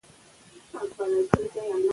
د مور د اوبو څښل مه هېروئ.